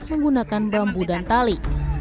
menggunakan bambu dan tali